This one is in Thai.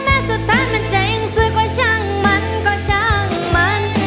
แม้สุดท้ายมันเจ๋งซื้อก็ช่างมันก็ช่างมัน